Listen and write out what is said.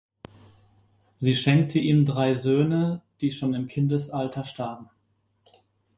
Sie schenkte ihm drei Söhne, die schon im Kindesalter starben.